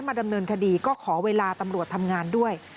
ดำเนินคดีก็ขอเวลาตำรวจทำงานด้วย